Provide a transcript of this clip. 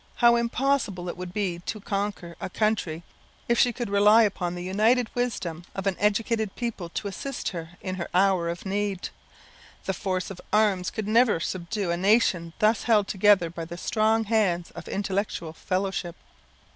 How impossible it would be to conquer a country, if she could rely upon the united wisdom of an educated people to assist her in her hour of need! The force of arms could never subdue a nation thus held together by the strong hands of intellectual fellowship.